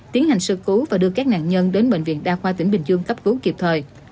tiến hành sơ cứu và đưa các nạn nhân đến bệnh viện đa khoa tỉnh bình dương cấp cứu kịp thời